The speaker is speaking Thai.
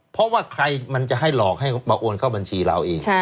เพราะว่าใครมันจะให้หลอกให้มาโอนเข้าบัญชีเราเอง